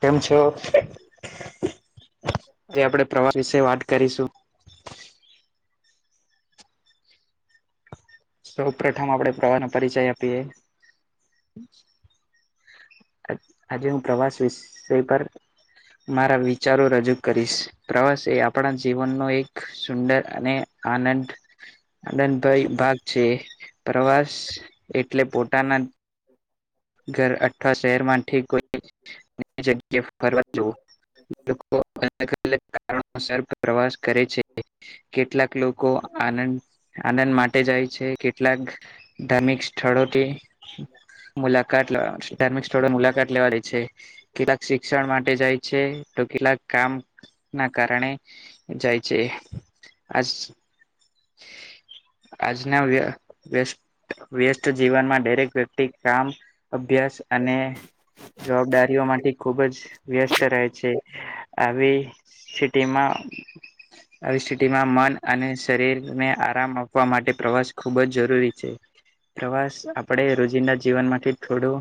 કેમ છો? જે આપડે પ્રવા સ વિશે વાત કરીશું. સૌ પ્રથમ આપડે પ્રવાહનો પરિચય આપીએ. આજે હું પ્રવાસ વિશ તે પર, મારા વિચારો રજૂ કરીશ. પ્રવાસ એ આપણા જીવનનો એક સુંદર અને આનંદ આનંદભાઈ ભાગ છે પ્રવાસ એટલે પોતાના ઘર અથવા શહેરમાંથી કોઈ જગ્યા ફરવા જઉં. લોકો અલગ અલગ શહેર પ્રવાસ કરે છે કેટલાક લોક કો આનંદ આનંદ માટે જાય છે કેટલાક ધાર્મિક સ્થળોથી મુલાકાત લાવા છે ધાર્મિક સ્થળો મુલાકાત લેવા રે છે કેટલાક શિક્ષણ મા ટે જાય છે તો કેટલાક કામ ના કારણે જાય છે. આજ આજના વ્ય વ્યસ્ત વ્યસ્ત જીવનમાં દરેક વ્યક્તિ કામ, અભ્યાસ અને જવાબદારીઓ માંથી ખુબ જ વ્યસ્ત રહે છે આવી સિટીમાં આવી સ્થિતિમાં મન અને સ તે ને આરામ આપવા માટે પ્રવાસ ખુબ જ જરૂરી છે. પ્રવાસ આપડે રોજિંદા જીવનમાંથી થોડું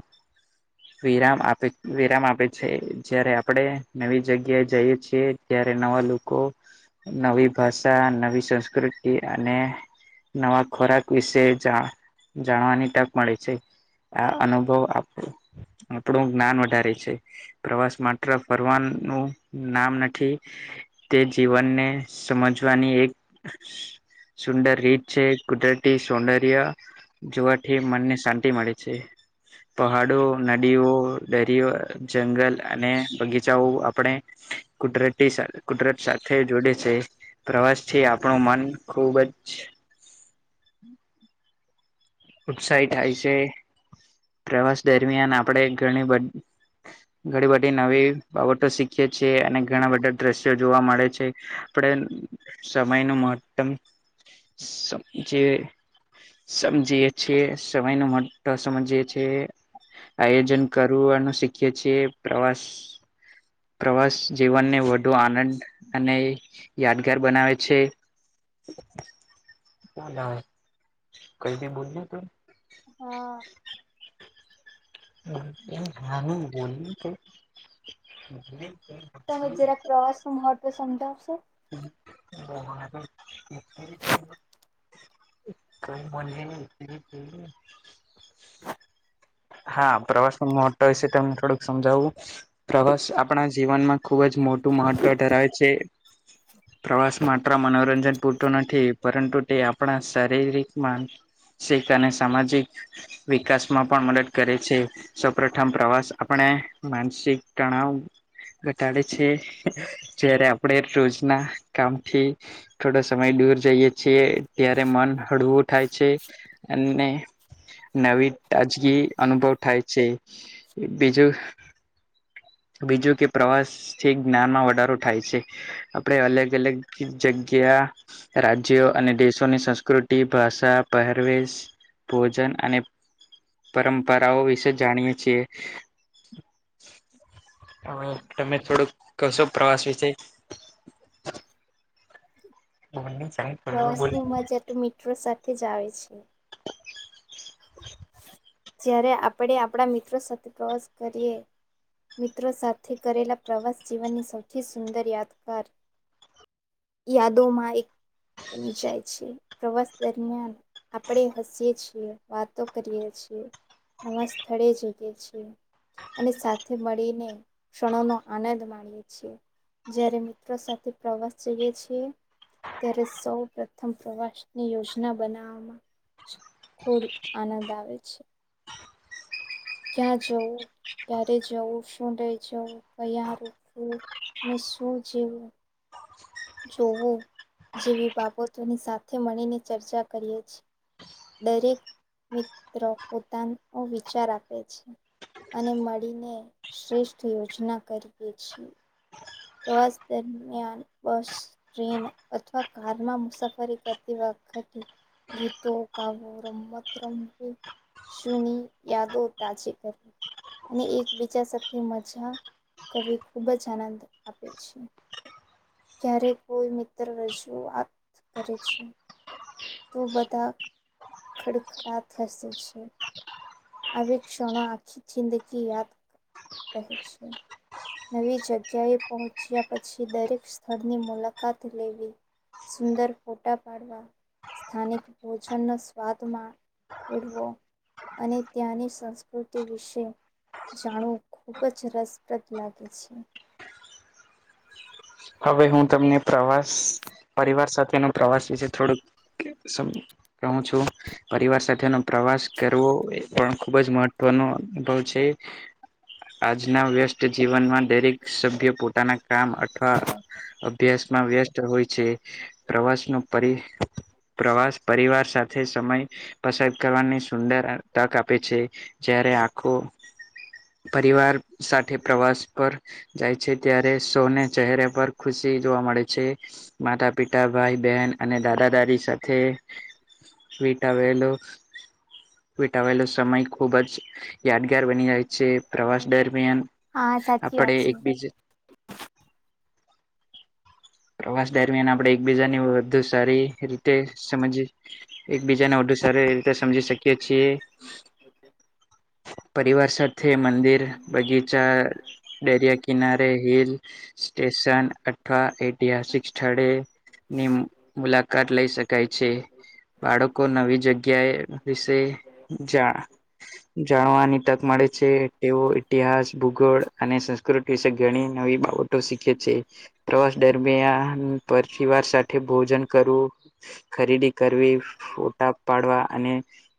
વિરામ આપે વિરામ આપે છે જયારે આપડે નવી જગ્યાએ જઈએ છીએ ત્યારે નવા લોકો નવી ભાષા, નવી સંસ્કૃતિ અને નવા ખોરાક વિશે જા જાણવાની તક મળે છે. આ અનુભવ આપ આપડુ જ્ઞાન વધારે છે પ્રવાસ માત્ર ફરવા નું નામ નથી તે જીવનને સમજવાની એક સુંદર રીત છે કુદરત થી સૌંદર્ય જોવાથી મનને શાંતિ મળે છે. પહાડો, નદીઓ, દરીઓ, જંગલ અને બગીચાઓ આપડે કુદરતી સા કુદરત સાથે જોડે છે પ્રવાસથી આપ આપડું મન ખૂબ જ ઉત્સાહી થાય છે પ્રવાસ દરમિયાન આપડે ઘણી બ ઘણી બધી નવી બાબતો શીખીએ છીએ અને ઘણા બધા દ્રશ્યો જોવા મળે છે. આપડે સમય નું મહત્તમ સમજે સમજીએ છે. સમય નો મહત્વ સમજીએ છે. આયોજન કરવું અને શી ખીએ છે. પ્રવાસ પ્રવાસ જીવન ને વધુ આનંદ અને યાદગાર બનાવે છે. કઈ ભી બોલ ને. હા. એમ હા નહીં બોલ ને કઈ [unintelligible] તમે જરાક પ્રવાસ નું મહત્વ સમજાવશો? [unintelligible] કઈ મને નહીં [unintelligible] હા, પ્રવાસ નું મહત્તમ વિસે તને થોડુંક સમજાવું પ્રવાસ આપણા જીવનમાં ખુબ જ મોટું મહત્વ ધરાવે છે. પ્રવાસ માત્ર મનોરંજન પૂરતો નથી પરંતુ તે આપણા શારીરિકમાં શીખ અને સામાજિક વિકાસ માં પણ મદદ કરે છે. સૌ પ્રથમ પ્રવાસ આપણે માનસિક તણાવ ઘટાડે છે. જયારે આપડે રોજ ના કામથી થોડો સમય દૂર જઈએ છીએ ત્યારે મન હળવું થાય છે. અને નવી તાજગી અનુભવ થાય છે. બીજું બીજું કે પ્રવાસ થી જ્ઞાનમાં વધારો થાય છે. આપડે અલગ અલગ જગ્યા રાજ્યો અને દેશોની સંસ્કૃતિ ભાષા પહેરવેશ ભોજન અને પરંપરાઓ વિશે જાણીએ છીએ. હવે તમે થોડુંક કેશો પ્રવાસ વિશે [unintelligible] પ્રવાસ ની મજા તો મિત્રો સાથે જ આવે છે. જયારે આપણે આપણા મિત્રો સાથે પ્રવાસ કરીએ. મિત્રો સાથે કરેલા પ્રવાસ જીવનની સૌથી સુંદર યાદગાર યાદો માં એક બની જાય છે. પ્રવાસ દરમિયાન આપડે હસીએ છીએ વાત તો કરીએ છીએ નવા સ્થળે જઈએ છીએ અને સાથે મળીને ક્ષણો નો આનંદ માણીએે છીએ જ્યારે મિત્રો સાથે પ્રવાસ જઈએ છીએ. ત્યારે સૌ પ્રથમ પ્રવાસ ની યોજના બનાવામાં ખૂબ આનંદ આવે છે. ક્યાં જવું ક્યારે જવું શું લઈ જવું કયા રોકવું શું જોવું જોવું જેવી બાબતો ની સાથે મળીને ચર્ચા કરીએ છીએ દરેક મિત્રો પોતાનો વિચાર આપે છે. અને મળીને શ્રેષ્ઠ યોજના કરીએ છીએ પ્રવાસ દરમિયાન બસ ટ્રેન અથવા કાર માં મુસાફરી કરતી વખતે હતી ગીતો ગાવો રમત રમવી જૂની યાદો તાજી કરવી અને એકબીજા સાથે મજા કરવી ખૂબ જ આનંદ આપે છે. ક્યારે કોઈક મિત્ર રજૂઆત કરે છે. તો બધા ખડખડાટ થશે છે. આવિ ક્ષણો આંખી જિંદગી યાદગાર રહે છે. નવી જગ્યાએ પહોંચ્યા પછી દરેક સ્થળની મુલાકાત લેવી. સુંદર ફોટા પાડવા, સ્થાનિક ભોજન નો સ્વાદ માંળવો. અને ત્યાંની સંસ્કૃતિ વિશે, જાણવું ખુબ જ રસપ્રદ લાગે છે. હવે હું તમને પ્રવાસ પરિવાર સાથેનો પ્રવાસ વિશે થોડુંક સ કહુ છું. પરિવાર સાથેનો પ્રવાસ કરવો એ પણ ખૂબ જ મહત્વનો અનુભવ છે. આજના વ્યસ્ત જીવનમાં દરેક સભ્ય પોતાના કામ અથવા, અભ્યાસમાં વ્યસ્ત હોય છે, પ્રવાસનો પરિ પ્રવાસ પરિવાર સાથ છે સમય પસાર કરવાની સુંદર અ તક આપે છે જ્યારે આખો પરિવાર સાથે પ્રવાસ પર, જાય છે ત્યારે સોને ચહેરા પર ખુશી જોવા મળે છે. માતા પિતા ભાઈ બહેન અને દાદા દાદી સાથે, વીટા વેલું, વિટાવેલો સમય ખુબ જ યાદગાર બની જાય, છે. પ્રવાસ દરમિયાન હા સાચી આપણે વાત છે એકબીજ પ્રવાસ દરમિયાન આપણે એકબીજાને વધુ સારી રીતે સમજી એકબીજાને વધુ સારી એ રીતે સમજી શકીએ છીએ. પરિવાર સાથે મંદિર, બગીચા, દરિયા કિનારે, હિલ, સ્ટેશન, અ અથવા ઐતિહાસિક સ્થળેની મુલાકાત લઈ શકાય છે. બાળકો નવી જગ્યાએ વિશે જા જાણવાની તક મળે છે તેઓ ઇતિહાસ, ભૂગોળ અને સંસ્કૃતિ વિશે ઘણી નવી બાબત તો શીખે છે, પ્રવાસ દરમિયાન પરિવાર સાથે ભોજન કરવું. ખરીદી કરવી ફોટા પાડવા અને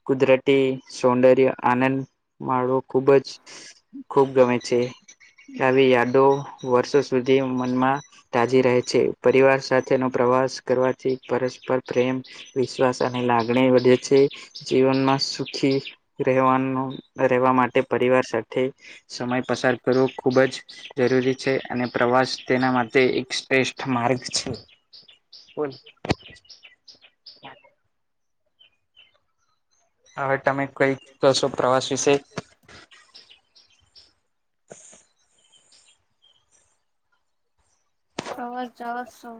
કુદરતી સૌંદર્ય, આનંદ માળવો ખુબ જ, ખૂબ ગમે છે આવી યાદો વર્ષો સુધી મનમાં, તાજી રહે છે પરિવાર સાથેનો પ્રવાસ કરવાથી પરસ્પર પ્રેમ, વિશ્વાસ અને લાગણી વધે છે, જીવનમાં સુખી, રહેવાનો રહેવા માટે પરિવાર સાથે સમય પસાર કરવો ખૂબ જ, જરૂરી છે અને પ્રવાસ તેના માટે એક શ્રેષ્ઠ માર્ગ છે. બોલ હવે તમે કઈક કશો પ્રવાસ વિશે. પ્રવાસ જવાસો,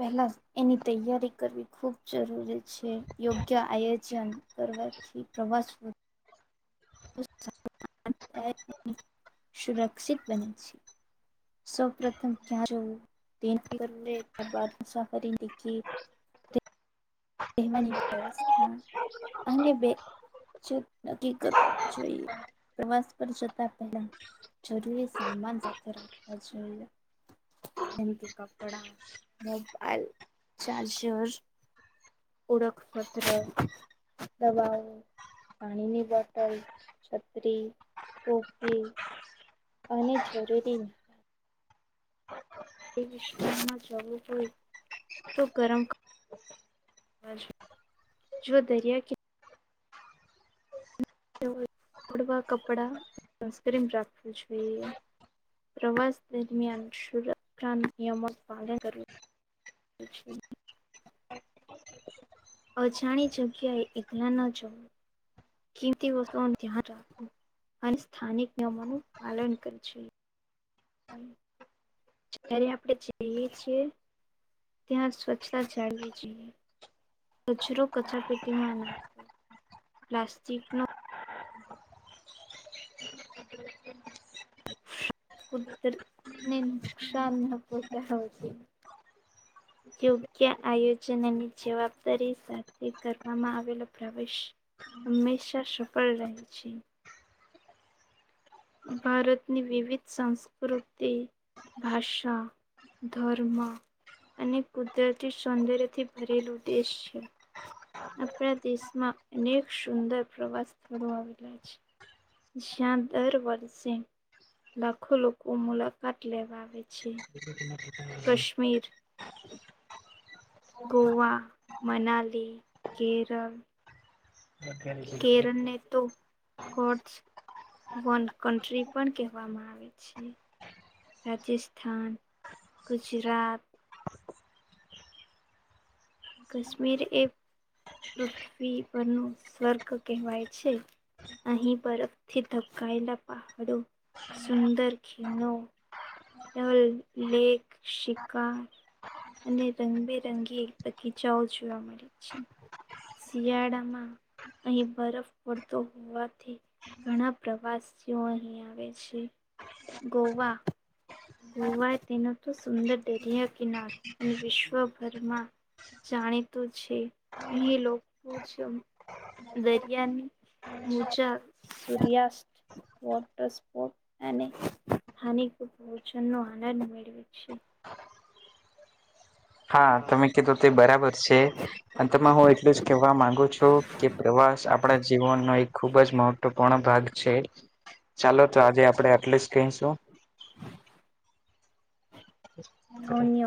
પહેલા એની તૈયારી કરવી ખૂબ જરૂરી છે યોગ્ય આ યોજન કરવાથી પ્રવાસ, વધુ [unintelligible] સુરક્ષિત બને છે. સૌપ્રથમ ક્યાં જો દ [unintelligible] કર બાદ મુસાફરી લખી. [unintelligible] વ્યવસ્થા અને બે [unintelligible] નક્કી કરવા જોઈએ પ્રવાસ પર જતા પહેલા. જરૂરી સામાન સાથે રાખવા જોઈએ. જેમ કે કપડા, મોબાઈલ, ચાર્જર, ઓળખપત્ર, દવાઓ, પાણીની બોટલ, છતરી, ટોપી, અને જરૂરી, [unintelligible] વિમાં જવું હોય તો ગરમ ક જો દરિયા કિન [unintelligible] તો થોડવા કપડા, સનસ્ક્રીમ રાખવું જોઈએ. પ્રવાસ દરમિયાન સુરક્ષા નિયમો નુ પાલન કરવું [unintelligible] અજાણી જગ્યાએ એકલા ન જવું. કિંમતી વસ્તુઓનું ધ્યાન રાખવું અને સ્થાનિક નિયમોનું પાલન કરે છે. હમ્મ જ્યારે આપણે જઈએ છીએ, ત્યાં સ્વચ્છતા જાળવી જોઈએ. કચરો કચારાપેટીમાં નાખો. પ્લાસ્ટિક નો કુદરત ને નુકશાન [unintelligible] [inaudible] યોગ્ય આયોજનની જવાબદારી સાથે કરવામાં આવેલો પ્રવેશ- હંમેશા સફળ રહે છે. ભારતની વિવિધ સંસ્કૃતિ ભાષા, ધર્મ અને કુદરતી સૌંદર્યથી ભરેલું દેશ છે. આપણા દેશમાં અનેક સુંદર પ્રવાસ સ્થળો આવેલા છે. જ્યાં દર વર્ષે લાખો લોકો મુલાકાત લેવા આવે છે. કશ્મીર ગોવા, મનાલી, કેરળ કેરનને તો કોટસ, વન કન્ટ્રી પણ કહેવામાં આવે છે. રાજસ્થાન, ગુજરાત કાશ્મીર એ પૃથ્વી પર નું સ્વર્ગ કહેવાય છે. અહીં બરફથી ધબકાયેલા પહાડો સુંદર ખીણો ડલ, લેક, સિકકા- અને રંગબેરંગી બગીચાઓ જોવા મળે છે. શિયાળામાં અહીં બરફ પડતો હોવાથી ઘણા પ્રવાસીઓ અહીં આવે છે. ગોવા ગોવા તેનો તો સુંદર દરિયા કિનારો અને વિશ્વભરમાં જાણીતું છે. અહીં લોકો જ દરિયાની, મુજા, સૂર્યાસ્ત વોટર સ્પોર્ટ અને હાની ભોજનનો આનંદ મેળવે છે. હા, તમે કીધું, તે બરાબર છે. અંતમાં હું એટલું જ કેહેવા માંગુ છું, કે પ્રવાસ આપણા જીવનનો એક ખુબ જ મહવ પોણો ભાગ છે. ચાલો, તો આજે આપણે એટલે જ કહીશું. [inaudible] ધોન્ય